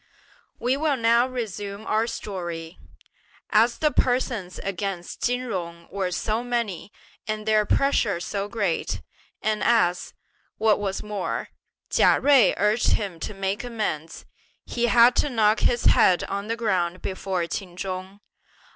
We will now resume our story. As the persons against Chin Jung were so many and their pressure so great, and as, what was more, Chia Jui urged him to make amends, he had to knock his head on the ground before Ch'in Chung.